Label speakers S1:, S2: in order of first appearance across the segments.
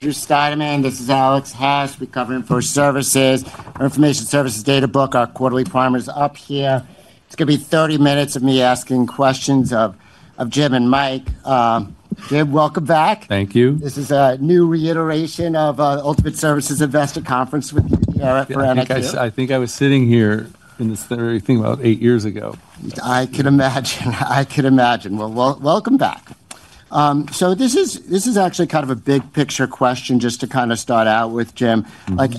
S1: Drew Stydeman, this is Alex Hess. We cover information services, data book, our quarterly primers up here. It's going to be 30 minutes of me asking questions of Jim and Mike. Jim, welcome back.
S2: Thank you.
S1: This is a new reiteration of Ultimate Services Investor Conference with you, Eric and I think.
S2: I think I was sitting here in this thing about eight years ago.
S1: I can imagine. I can imagine. Welcome back. So this is actually kind of a big picture question just to kind of start out with, Jim.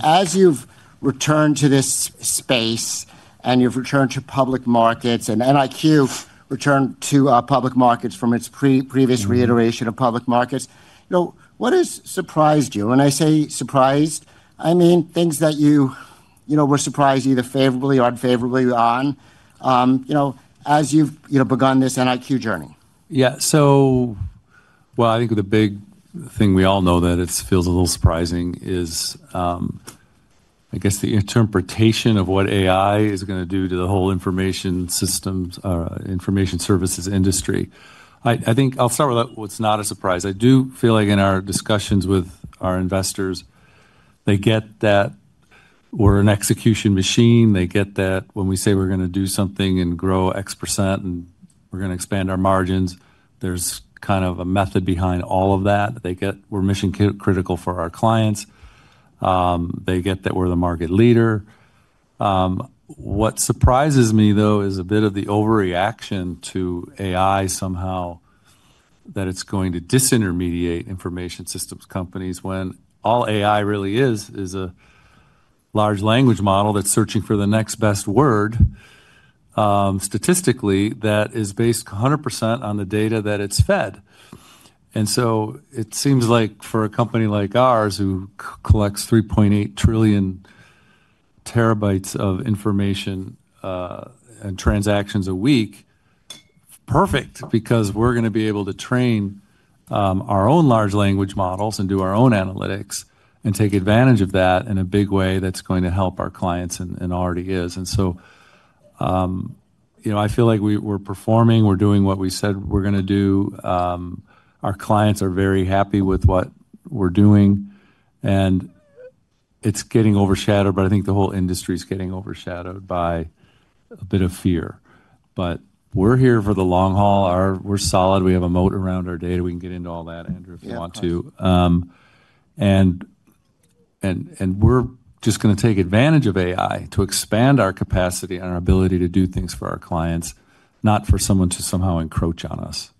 S1: As you've returned to this space and you've returned to public markets and NIQ returned to public markets from its previous iteration of public markets, what has surprised you? And I say surprised, I mean things that you were surprised either favorably or unfavorably on as you've begun this NIQ journey.
S2: Yeah. Well, I think the big thing we all know that feels a little surprising is, I guess, the interpretation of what AI is going to do to the whole information services industry. I think I'll start with what's not a surprise. I do feel like in our discussions with our investors, they get that we're an execution machine. They get that when we say we're going to do something and grow X percent and we're going to expand our margins, there's kind of a method behind all of that. They get we're mission critical for our clients. They get that we're the market leader. What surprises me, though, is a bit of the overreaction to AI somehow that it's going to disintermediate information systems companies when all AI really is a large language model that's searching for the next best word statistically that is based 100% on the data that it's fed. And so it seems like for a company like ours who collects 3.8 trillion terabytes of information and transactions a week, perfect, because we're going to be able to train our own large language models and do our own analytics and take advantage of that in a big way that's going to help our clients and already is. And so I feel like we're performing. We're doing what we said we're going to do. Our clients are very happy with what we're doing. And it's getting overshadowed, but I think the whole industry is getting overshadowed by a bit of fear. But we're here for the long haul. We're solid. We have a moat around our data. We can get into all that, Andrew, if you want to. And we're just going to take advantage of AI to expand our capacity and our ability to do things for our clients, not for someone to somehow encroach on us.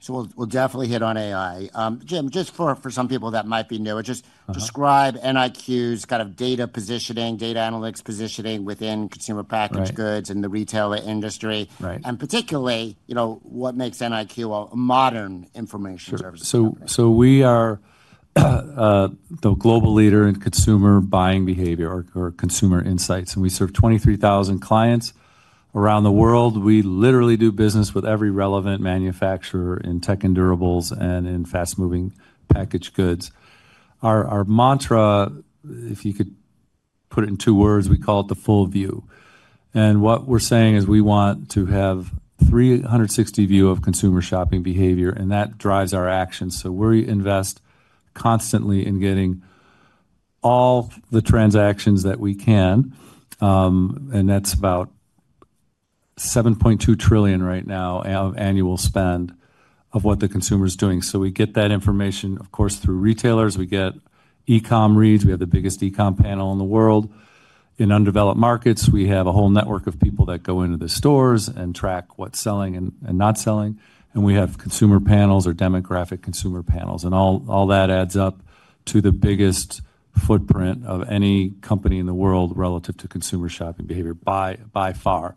S1: So we'll definitely hit on AI. Jim, just for some people that might be new, just describe NIQ's kind of data positioning, data analytics positioning within consumer packaged goods and the retail industry, and particularly what makes NIQ a modern information service.
S2: So we are the global leader in consumer buying behavior or consumer insights. And we serve 23,000 clients around the world. We literally do business with every relevant manufacturer in tech and durables and in fast-moving packaged goods. Our mantra, if you could put it in two words, we call it the full view. And what we're saying is we want to have a 360 view of consumer shopping behavior. And that drives our actions. So we invest constantly in getting all the transactions that we can. And that's about 7.2 trillion right now of annual spend of what the consumer is doing. So we get that information, of course, through retailers. We get e-comm reads. We have the biggest e-comm panel in the world. In undeveloped markets, we have a whole network of people that go into the stores and track what's selling and not selling. And we have consumer panels or demographic consumer panels. And all that adds up to the biggest footprint of any company in the world relative to consumer shopping behavior by far.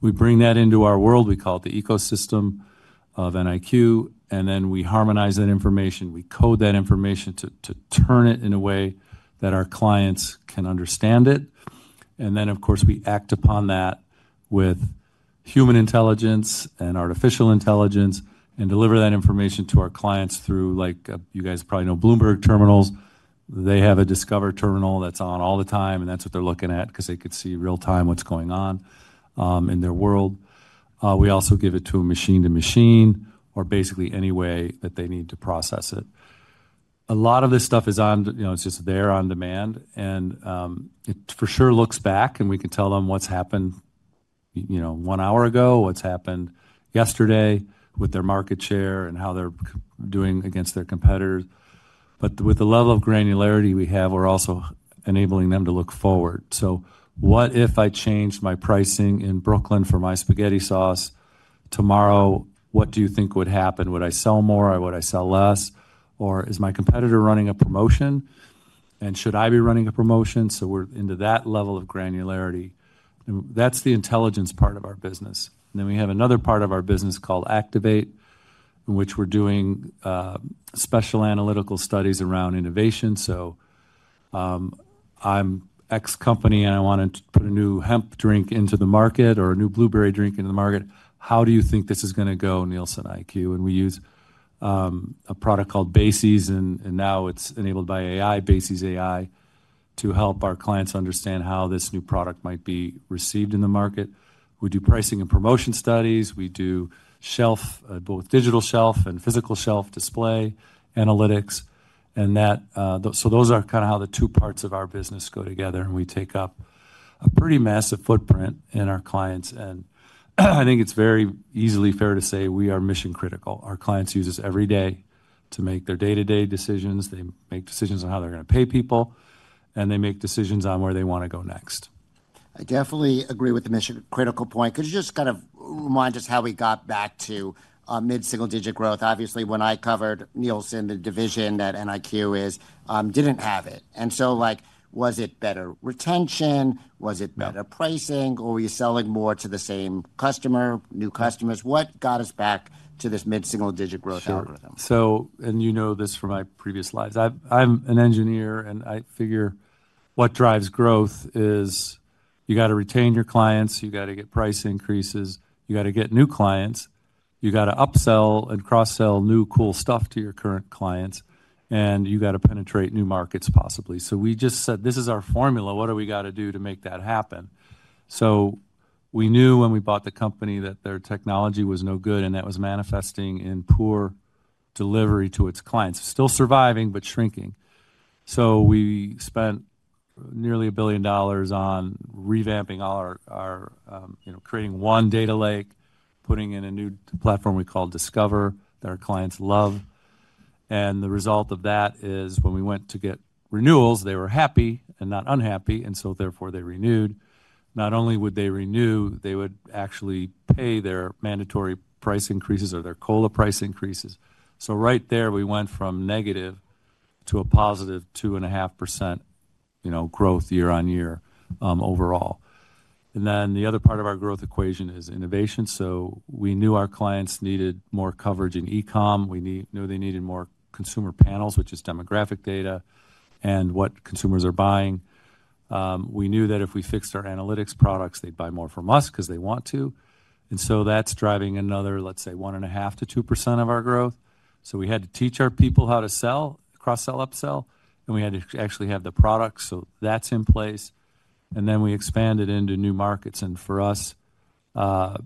S2: We bring that into our world. We call it the ecosystem of NIQ. And then we harmonize that information. We code that information to turn it in a way that our clients can understand it. And then, of course, we act upon that with human intelligence and artificial intelligence and deliver that information to our clients through, like you guys probably know, Bloomberg terminals. They have a Discover terminal that's on all the time. And that's what they're looking at because they could see real-time what's going on in their world. We also give it to a machine-to-machine or basically any way that they need to process it. A lot of this stuff is on, it's just there on demand. And it for sure looks back. And we can tell them what's happened one hour ago, what's happened yesterday with their market share and how they're doing against their competitors. But with the level of granularity we have, we're also enabling them to look forward. So what if I changed my pricing in Brooklyn for my spaghetti sauce tomorrow? What do you think would happen? Would I sell more? Would I sell less? Or is my competitor running a promotion? And should I be running a promotion? So we're into that level of granularity. And that's the intelligence part of our business. And then we have another part of our business called Activate, in which we're doing special analytical studies around innovation. So I'm X company and I want to put a new hemp drink into the market or a new blueberry drink into the market. How do you think this is going to go, Nielsen IQ? And we use a product called Basies. And now it's enabled by AI, Basies AI, to help our clients understand how this new product might be received in the market. We do pricing and promotion studies. We do shelf, both digital shelf and physical shelf display analytics. And so those are kind of how the two parts of our business go together. And we take up a pretty massive footprint in our clients. And I think it's very easily fair to say we are mission critical. Our clients use this every day to make their day-to-day decisions. They make decisions on how they're going to pay people. And they make decisions on where they want to go next.
S1: I definitely agree with the mission critical point because it just kind of reminds us how we got back to mid-single digit growth. Obviously, when I covered Nielsen, the division that NIQ is, didn't have it. And so was it better retention? Was it better pricing? Or were you selling more to the same customer, new customers? What got us back to this mid-single digit growth algorithm?
S2: Sure. And you know this from my previous lives. I'm an engineer. And I figure what drives growth is you got to retain your clients. You got to get price increases. You got to get new clients. You got to upsell and cross-sell new cool stuff to your current clients. And you got to penetrate new markets possibly. So we just said, this is our formula. What do we got to do to make that happen? So we knew when we bought the company that their technology was no good. And that was manifesting in poor delivery to its clients. Still surviving, but shrinking. So we spent nearly a billion dollars on revamping all our creating one data lake, putting in a new platform we call Discover that our clients love. And the result of that is when we went to get renewals, they were happy and not unhappy. And so therefore, they renewed. Not only would they renew, they would actually pay their mandatory price increases or their cola price increases. So right there, we went from negative to a positive 2.5% growth year-on-year overall. And then the other part of our growth equation is innovation. So we knew our clients needed more coverage in e-comm. We knew they needed more consumer panels, which is demographic data and what consumers are buying. We knew that if we fixed our analytics products, they'd buy more from us because they want to. And so that's driving another, let's say, 1.5%-2% of our growth. So we had to teach our people how to sell, cross-sell, upsell. And we had to actually have the product. So that's in place. And then we expanded into new markets. And for us, the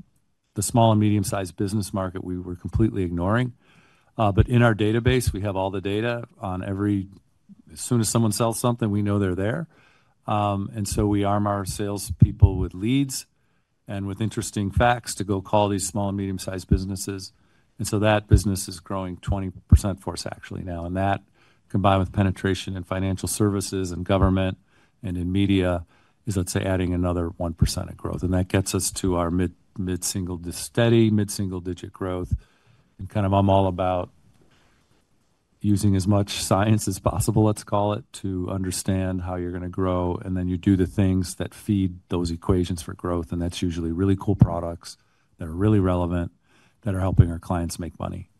S2: small and medium-sized business market, we were completely ignoring. But in our database, we have all the data. As soon as someone sells something, we know they're there. And so we arm our salespeople with leads and with interesting facts to go call these small and medium-sized businesses. And so that business is growing 20% for us actually now. And that combined with penetration in financial services and government and in media is, let's say, adding another 1% of growth. And that gets us to our mid-single steady, mid-single digit growth. And kind of I'm all about using as much science as possible, let's call it, to understand how you're going to grow. And then you do the things that feed those equations for growth. And that's usually really cool products that are really relevant that are helping our clients make money.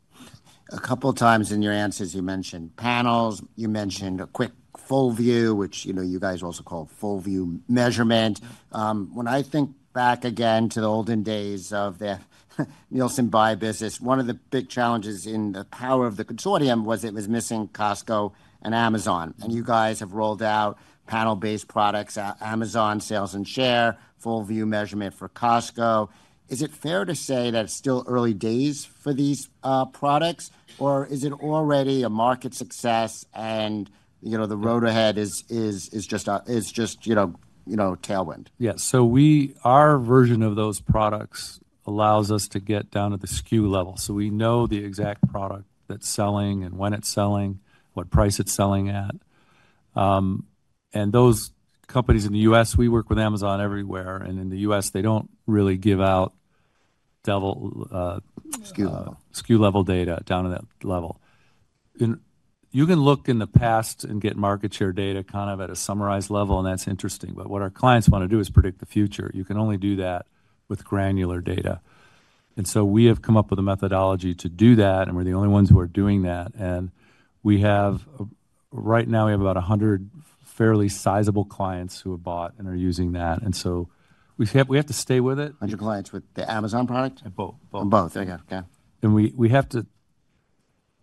S1: A couple of times in your answers, you mentioned panels. You mentioned a quick full view, which you guys also call full view measurement. When I think back again to the olden days of the Nielsen Buy business, one of the big challenges in the power of the consortium was it was missing Costco and Amazon. And you guys have rolled out panel-based products, Amazon sales and share, full view measurement for Costco. Is it fair to say that it's still early days for these products? Or is it already a market success and the road ahead is just tailwind?
S2: Yeah. So our version of those products allows us to get down to the SKU level. So we know the exact product that's selling and when it's selling, what price it's selling at. And those companies in the U.S., we work with Amazon everywhere. And in the U.S., they don't really give out.
S1: SKU level.
S2: SKU level data down to that level. You can look in the past and get market share data kind of at a summarized level. And that's interesting. But what our clients want to do is predict the future. You can only do that with granular data. And so we have come up with a methodology to do that. And we're the only ones who are doing that. And right now, we have about 100 fairly sizable clients who have bought and are using that. And so we have to stay with it.
S1: 100 clients with the Amazon product?
S2: Both.
S1: Both.
S2: Yeah.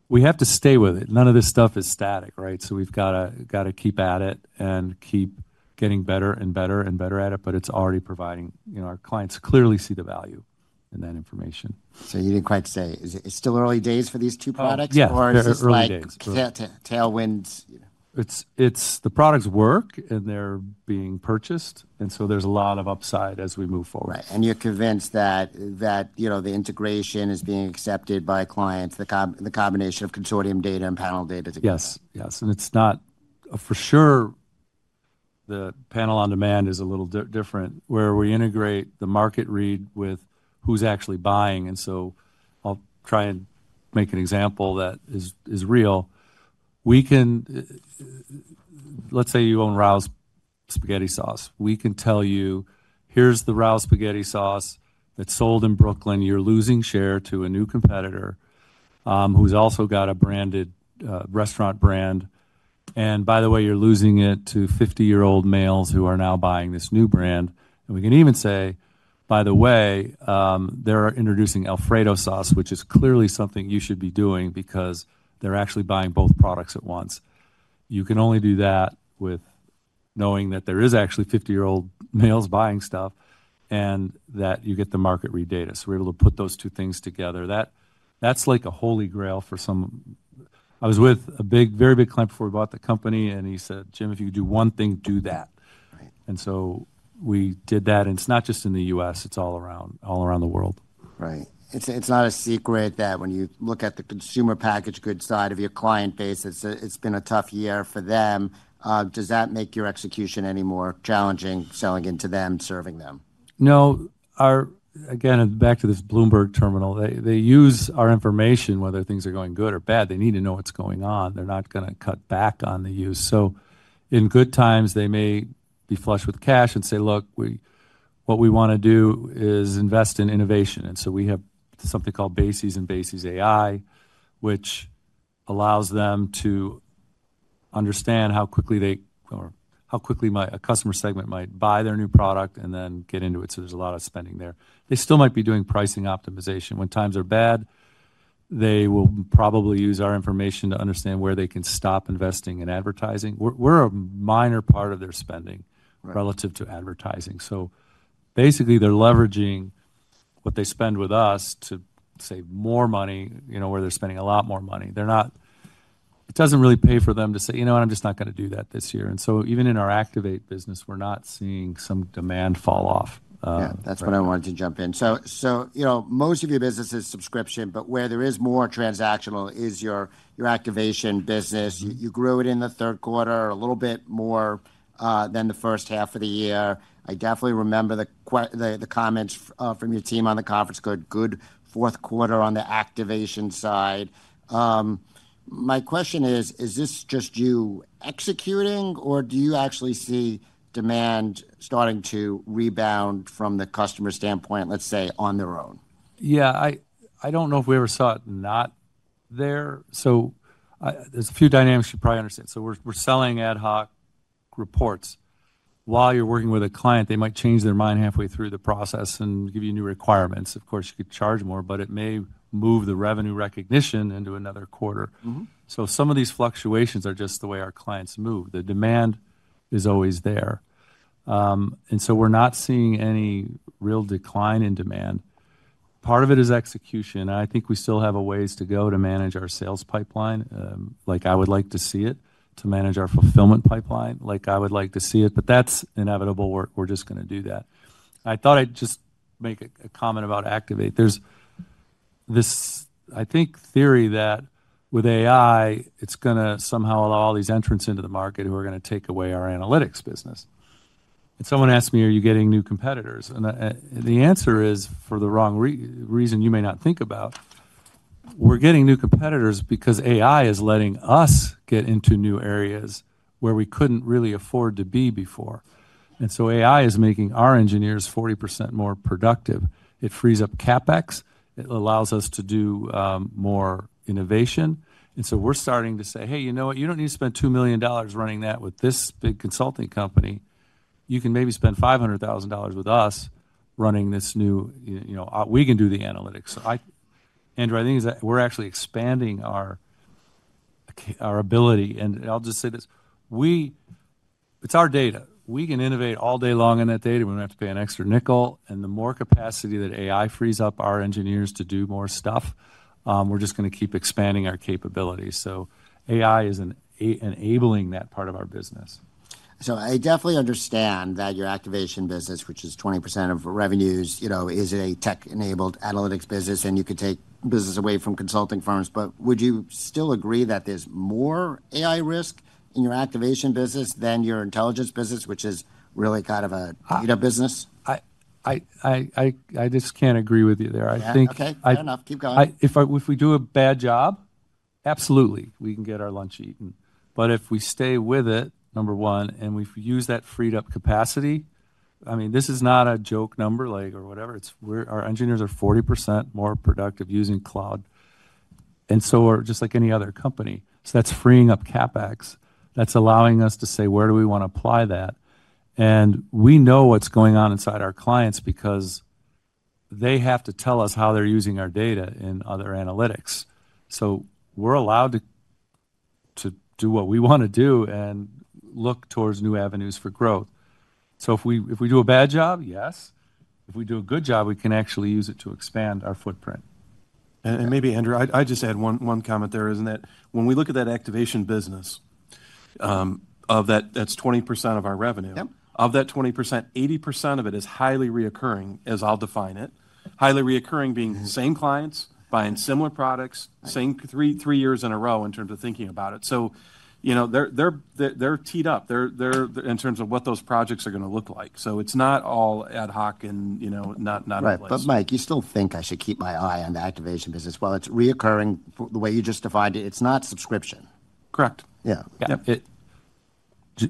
S2: We have to stay with it. None of this stuff is static, right? So we've got to keep at it and keep getting better and better and better at it. But it's already providing our clients clearly see the value in that information.
S1: So you didn't quite say, is it still early days for these two products?
S2: Yeah. Early days.
S1: Or is it like tailwinds?
S2: The products work. And they're being purchased. And so there's a lot of upside as we move forward.
S1: Right. And you're convinced that the integration is being accepted by clients, the combination of consortium data and panel data together.
S2: Yes. Yes. And it's not for sure the panel on demand is a little different where we integrate the market read with who's actually buying. And so I'll try and make an example that is real. Let's say you own Rao's Spaghetti Sauce. We can tell you, here's the Rao's Spaghetti Sauce that's sold in Brooklyn. You're losing share to a new competitor who's also got a branded restaurant brand. And by the way, you're losing it to 50-year-old males who are now buying this new brand. And we can even say, by the way, they're introducing Alfredo Sauce, which is clearly something you should be doing because they're actually buying both products at once. You can only do that with knowing that there is actually 50-year-old males buying stuff and that you get the market read data. So we're able to put those two things together. That's like a holy grail for some. I was with a big, very big client before we bought the company. And he said, Jim, if you could do one thing, do that. And so we did that. And it's not just in the U.S. It's all around the world.
S1: Right. It's not a secret that when you look at the consumer packaged goods side of your client base, it's been a tough year for them. Does that make your execution any more challenging, selling into them, serving them?
S2: No. Again, back to this Bloomberg terminal. They use our information, whether things are going good or bad. They need to know what's going on. They're not going to cut back on the use. So in good times, they may be flush with cash and say, look, what we want to do is invest in innovation. And so we have something called Basies and Basies AI, which allows them to understand how quickly a customer segment might buy their new product and then get into it. So there's a lot of spending there. They still might be doing pricing optimization. When times are bad, they will probably use our information to understand where they can stop investing in advertising. We're a minor part of their spending relative to advertising. So basically, they're leveraging what they spend with us to save more money where they're spending a lot more money. It doesn't really pay for them to say, you know what, I'm just not going to do that this year. And so even in our activate business, we're not seeing some demand fall off.
S1: Yeah. That's what I wanted to jump in. So most of your business is subscription. But where there is more transactional is your activation business. You grew it in the third quarter a little bit more than the first half of the year. I definitely remember the comments from your team on the conference. Good fourth quarter on the activation side. My question is, is this just you executing? Or do you actually see demand starting to rebound from the customer standpoint, let's say, on their own?
S2: Yeah. I don't know if we ever saw it not there. So there's a few dynamics you probably understand. So we're selling ad hoc reports. While you're working with a client, they might change their mind halfway through the process and give you new requirements. Of course, you could charge more. But it may move the revenue recognition into another quarter. So some of these fluctuations are just the way our clients move. The demand is always there. And so we're not seeing any real decline in demand. Part of it is execution. And I think we still have a ways to go to manage our sales pipeline like I would like to see it, to manage our fulfillment pipeline like I would like to see it. But that's inevitable. We're just going to do that. I thought I'd just make a comment about activate. There's this, I think, theory that with AI, it's going to somehow allow all these entrants into the market who are going to take away our analytics business. And someone asked me, are you getting new competitors? And the answer is, for the wrong reason you may not think about, we're getting new competitors because AI is letting us get into new areas where we couldn't really afford to be before. And so AI is making our engineers 40% more productive. It frees up CapEx. It allows us to do more innovation. And so we're starting to say, hey, you know what, you don't need to spend $2 million running that with this big consulting company. You can maybe spend $500,000 with us running this new we can do the analytics. So Andrew, I think we're actually expanding our ability. And I'll just say this. It's our data. We can innovate all day long in that data. We don't have to pay an extra nickel. And the more capacity that AI frees up our engineers to do more stuff, we're just going to keep expanding our capabilities. So AI is enabling that part of our business.
S1: So I definitely understand that your activation business, which is 20% of revenues, is a tech-enabled analytics business. And you could take business away from consulting firms. But would you still agree that there's more AI risk in your activation business than your intelligence business, which is really kind of a data business?
S2: I just can't agree with you there. I think.
S1: Yeah. Okay. Fair enough. Keep going.
S2: If we do a bad job, absolutely, we can get our lunch eaten. But if we stay with it, number one, and we use that freed up capacity, I mean, this is not a joke number or whatever. Our engineers are 40% more productive using cloud. And so we're just like any other company. So that's freeing up CapEx. That's allowing us to say, where do we want to apply that? And we know what's going on inside our clients because they have to tell us how they're using our data in other analytics. So we're allowed to do what we want to do and look towards new avenues for growth. So if we do a bad job, yes. If we do a good job, we can actually use it to expand our footprint. And maybe, Andrew, I just add one comment there, isn't it? When we look at that activation business, that's 20% of our revenue. Of that 20%, 80% of it is highly reoccurring, as I'll define it. Highly reoccurring being same clients, buying similar products, same three years in a row in terms of thinking about it. So they're teed up in terms of what those projects are going to look like. So it's not all ad hoc and not in place.
S1: Right. But Mike, you still think I should keep my eye on the activation business? Well, it's reoccurring the way you just defined it. It's not subscription.
S2: Correct. Yeah.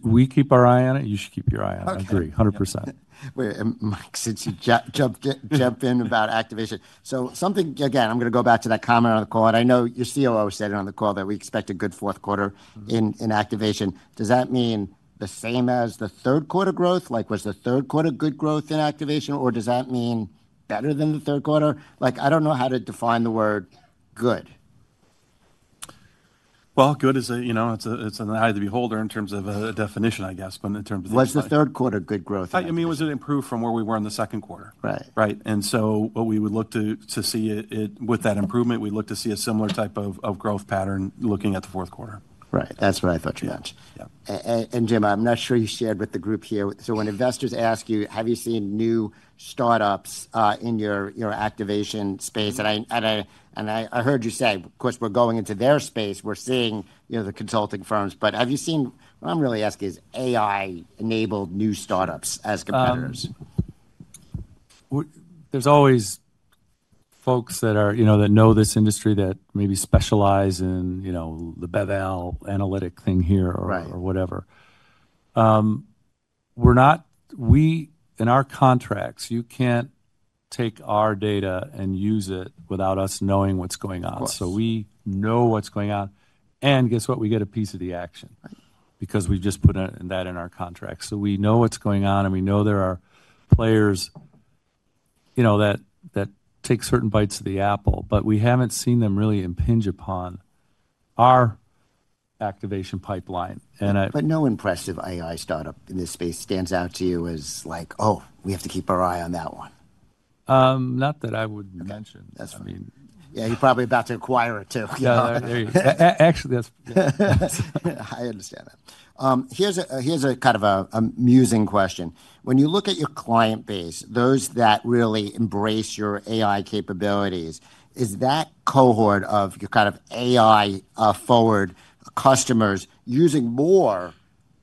S2: We keep our eye on it. You should keep your eye on it. I agree. 100%.
S1: Wait. Mike, since you jumped in about activation. So something, again, I'm going to go back to that comment on the call. And I know your COO said it on the call that we expect a good fourth quarter in activation. Does that mean the same as the third quarter growth? Like, was the third quarter good growth in activation? Or does that mean better than the third quarter? I don't know how to define the word good.
S2: Well, good is a it's an eye to beholder in terms of a definition, I guess. But in terms of the.
S1: Was the third quarter good growth?
S2: I mean, was it improved from where we were in the second quarter?
S1: Right.
S2: Right? And so what we would look to see with that improvement, we'd look to see a similar type of growth pattern looking at the fourth quarter.
S1: Right. That's what I thought you meant. And Jim, I'm not sure you shared with the group here. So when investors ask you, have you seen new startups in your activation space? And I heard you say, of course, we're going into their space. We're seeing the consulting firms. But have you seen what I'm really asking is AI-enabled new startups as competitors?
S2: There's always folks that know this industry that maybe specialize in the Bevel analytic thing here or whatever. In our contracts, you can't take our data and use it without us knowing what's going on. So we know what's going on. And guess what? We get a piece of the action because we just put that in our contract. So we know what's going on. And we know there are players that take certain bites of the apple. But we haven't seen them really impinge upon our activation pipeline.
S1: But no impressive AI startup in this space stands out to you as like, oh, we have to keep our eye on that one.
S2: Not that I would mention.
S1: Yeah. You're probably about to acquire it too.
S2: Yeah. Actually, that's.
S1: I understand that. Here's a kind of amusing question. When you look at your client base, those that really embrace your AI capabilities, is that cohort of your kind of AI-forward customers using more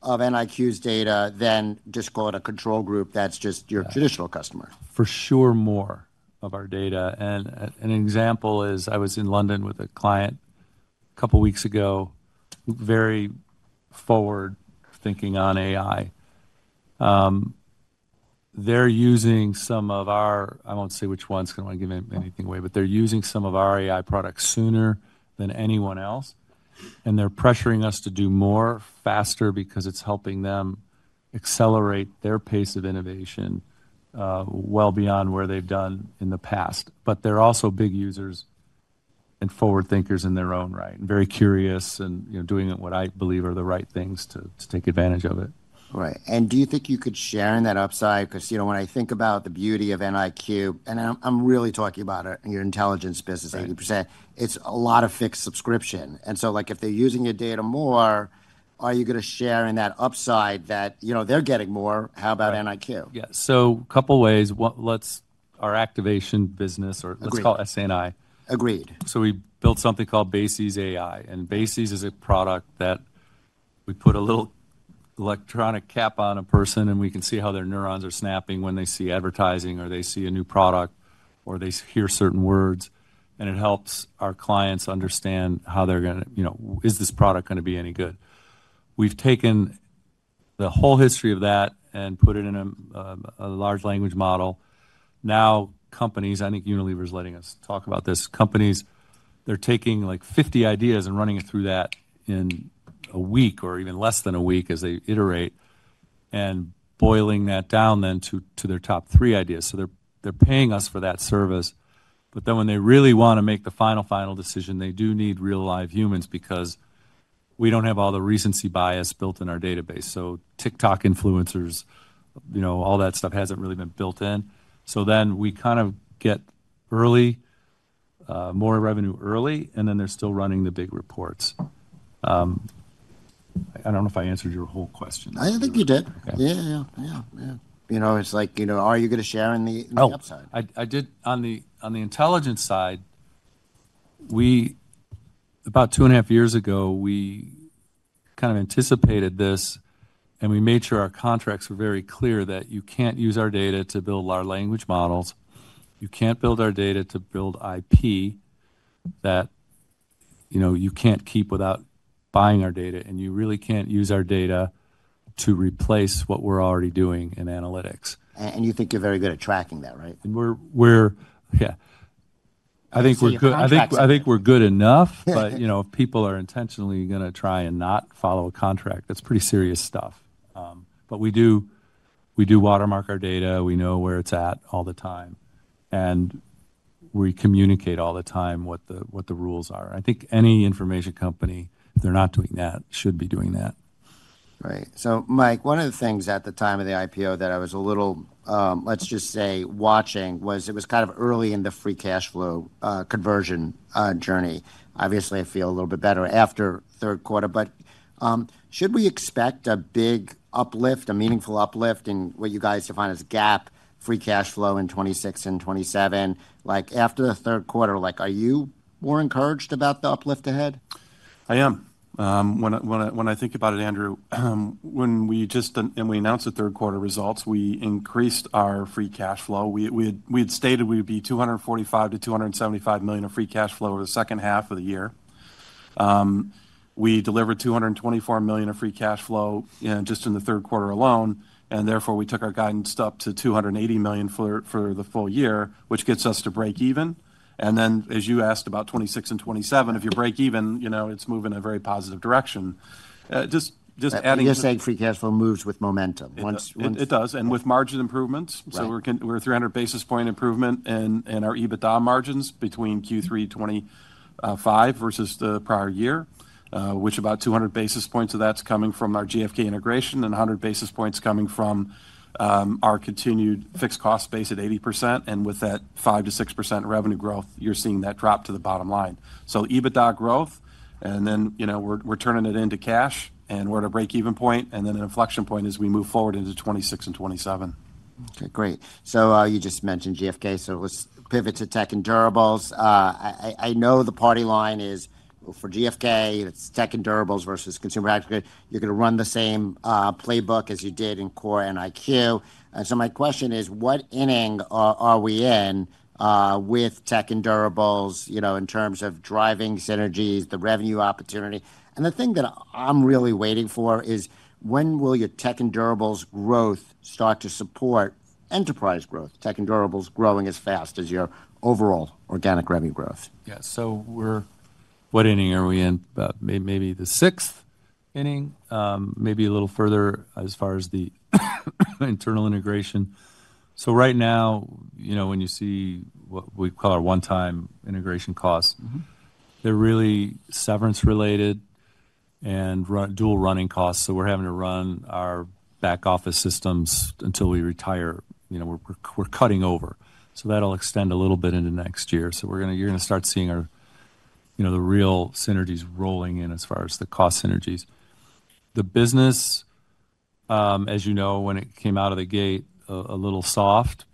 S1: of NIQ's data than just call it a control group that's just your traditional customer?
S2: For sure, more of our data. And an example is I was in London with a client a couple of weeks ago, very forward thinking on AI. They're using some of our I won't say which ones. I don't want to give anything away. But they're using some of our AI products sooner than anyone else. And they're pressuring us to do more faster because it's helping them accelerate their pace of innovation well beyond where they've done in the past. But they're also big users and forward thinkers in their own right, and very curious and doing what I believe are the right things to take advantage of it.
S1: Right. And do you think you could share in that upside? Because when I think about the beauty of NIQ, and I'm really talking about your intelligence business, 80%, it's a lot of fixed subscription. And so if they're using your data more, are you going to share in that upside that they're getting more? How about NIQ?
S2: Yeah. So a couple of ways. Our activation business, or let's call it SANI.
S1: Agreed.
S2: So we built something called Basies AI. And Basies is a product that we put a little electronic cap on a person. And we can see how their neurons are snapping when they see advertising or they see a new product or they hear certain words. And it helps our clients understand how they're going to is this product going to be any good? We've taken the whole history of that and put it in a large language model. Now, companies, I think Unilever is letting us talk about this, companies, they're taking like 50 ideas and running it through that in a week or even less than a week as they iterate and boiling that down then to their top three ideas. So they're paying us for that service. But then when they really want to make the final, final decision, they do need real live humans because we don't have all the recency bias built in our database. So TikTok influencers, all that stuff hasn't really been built in. So then we kind of get more revenue early. And then they're still running the big reports. I don't know if I answered your whole question.
S1: I think you did. Yeah, yeah, yeah. It's like, are you going to share in the upside?
S2: Oh. On the intelligence side, about two and a half years ago, we kind of anticipated this. And we made sure our contracts were very clear that you can't use our data to build our language models. You can't build our data to build IP that you can't keep without buying our data. And you really can't use our data to replace what we're already doing in analytics.
S1: And you think you're very good at tracking that, right?
S2: Yeah. I think we're good enough. But if people are intentionally going to try and not follow a contract, that's pretty serious stuff. But we do watermark our data. We know where it's at all the time. And we communicate all the time what the rules are. I think any information company, if they're not doing that, should be doing that.
S1: Right. So Mike, one of the things at the time of the IPO that I was a little, let's just say, watching was it was kind of early in the free cash flow conversion journey. Obviously, I feel a little bit better after third quarter. But should we expect a big uplift, a meaningful uplift in what you guys define as gap free cash flow in '26 and '27? After the third quarter, are you more encouraged about the uplift ahead?
S2: I am. When I think about it, Andrew, when we announced the third quarter results, we increased our free cash flow. We had stated we would be 245-275 million of free cash flow in the second half of the year. We delivered 224 million of free cash flow just in the third quarter alone. And therefore, we took our guidance up to 280 million for the full year, which gets us to break even. And then, as you asked about '26 and '27, if you break even, it's moving in a very positive direction. Just adding.
S1: And you're saying free cash flow moves with momentum?
S2: It does. And with margin improvements. So we're 300 basis point improvement in our EBITDA margins between Q3 '25 versus the prior year, which about 200 basis points of that's coming from our GFK integration and 100 basis points coming from our continued fixed cost base at 80%. And with that 5%-6% revenue growth, you're seeing that drop to the bottom line. So EBITDA growth. And then we're turning it into cash. And we're at a break-even point. And then an inflection point is we move forward into '26 and '27.
S1: Okay. Great. So you just mentioned GFK. So let's pivot to tech and durables. I know the party line is for GFK, it's tech and durables versus consumer activity. You're going to run the same playbook as you did in core and IQ. And so my question is, what inning are we in with tech and durables in terms of driving synergies, the revenue opportunity? And the thing that I'm really waiting for is, when will your tech and durables growth start to support enterprise growth, tech and durables growing as fast as your overall organic revenue growth?
S2: Yeah. So what inning are we in? Maybe the sixth inning, maybe a little further as far as the internal integration. So right now, when you see what we call our one-time integration costs, they're really severance-related and dual running costs. So we're having to run our back office systems until we retire. We're cutting over. So that'll extend a little bit into next year. So you're going to start seeing the real synergies rolling in as far as the cost synergies. The business, as you know, when it came out of the gate, a little soft.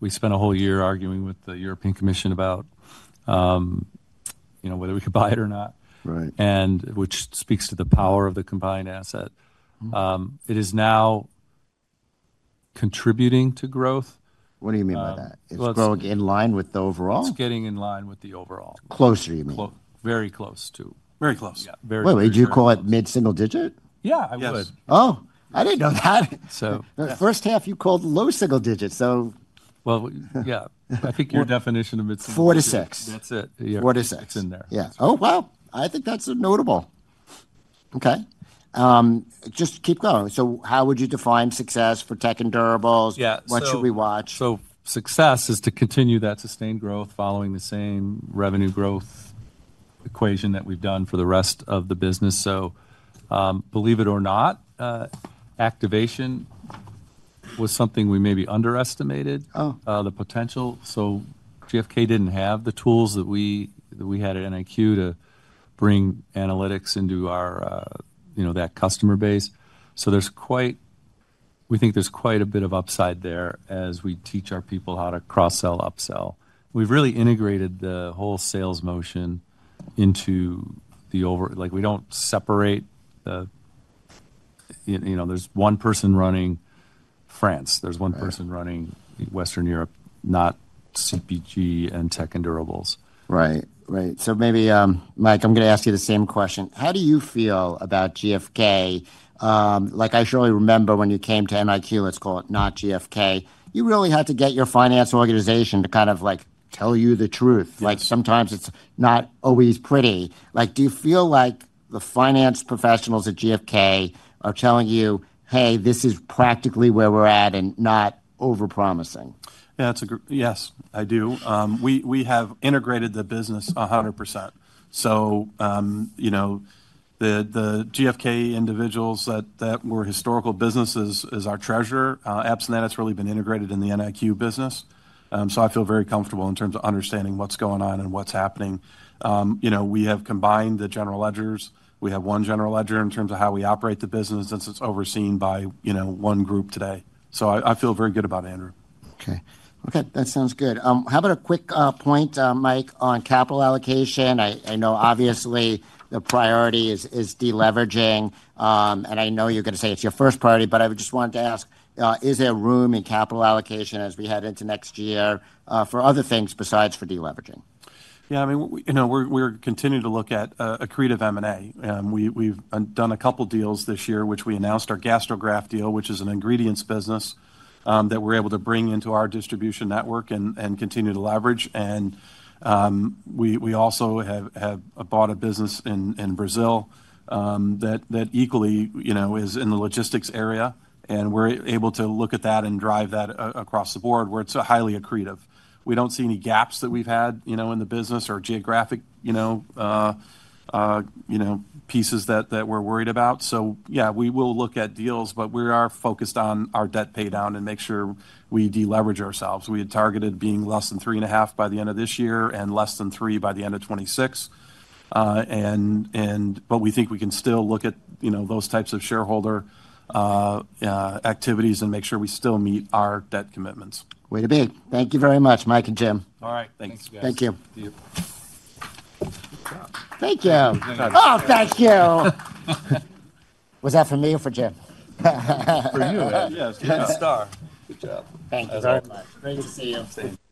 S2: We spent a whole year arguing with the European Commission about whether we could buy it or not, which speaks to the power of the combined asset. It is now contributing to growth.
S1: What do you mean by that? It's growing in line with the overall?
S2: It's getting in line with the overall.
S1: Closer, you mean?
S2: Very close to.
S1: Very close.
S2: Yeah. Very close.
S1: Wait. Would you call it mid-single digit?
S2: Yeah, I would.
S1: Yes. Oh, I didn't know that. First half, you called low single digit. So.
S2: Well, yeah. I think your definition of mid-single digit.
S1: Four to six.
S2: That's it.
S1: Four to six.
S2: It's in there.
S1: Yeah. Oh, wow. I think that's notable. Okay. Just keep going. So how would you define success for tech and durables? What should we watch?
S2: So success is to continue that sustained growth following the same revenue growth equation that we've done for the rest of the business. So believe it or not, activation was something we maybe underestimated the potential. So GFK didn't have the tools that we had at NIQ to bring analytics into that customer base. So we think there's quite a bit of upside there as we teach our people how to cross-sell, upsell. We've really integrated the whole sales motion into the over. We don't separate. There's one person running France. There's one person running Western Europe, not CPG and tech and durables.
S1: Right. Right. So maybe, Mike, I'm going to ask you the same question. How do you feel about GFK? I surely remember when you came to NIQ, let's call it not GFK, you really had to get your finance organization to kind of tell you the truth. Sometimes it's not always pretty. Do you feel like the finance professionals at GFK are telling you, hey, this is practically where we're at and not overpromising?
S2: Yes. I do. We have integrated the business 100%. So the GFK individuals that were historical businesses as our treasurer, Epsnet, it's really been integrated in the NIQ business. So I feel very comfortable in terms of understanding what's going on and what's happening. We have combined the general ledgers. We have one general ledger in terms of how we operate the business since it's overseen by one group today. So I feel very good about it, Andrew.
S1: Okay. Okay. That sounds good. How about a quick point, Mike, on capital allocation? I know, obviously, the priority is deleveraging. And I know you're going to say it's your first priority. But I just wanted to ask, is there room in capital allocation as we head into next year for other things besides for deleveraging?
S2: Yeah. I mean, we're continuing to look at accretive M&A. We've done a couple of deals this year, which we announced our GastroGraft deal, which is an ingredients business that we're able to bring into our distribution network and continue to leverage. And we also have bought a business in Brazil that equally is in the logistics area. And we're able to look at that and drive that across the board where it's highly accretive. We don't see any gaps that we've had in the business or geographic pieces that we're worried about. So yeah, we will look at deals. But we are focused on our debt paydown and make sure we deleverage ourselves. We had targeted being less than 3.5 by the end of this year and less than 3 by the end of '26. But we think we can still look at those types of shareholder activities and make sure we still meet our debt commitments.
S1: Way to be. Thank you very much, Mike and Jim.
S2: All right. Thanks.
S1: Thank you.
S2: Thank you.
S1: Thank you. Oh, thank you. Was that for me or for Jim?
S2: For you. Yes. You got a star. Good job.
S1: Thank you very much. Great to see you.